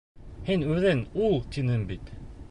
Һин үҙең «үл» тинең бит.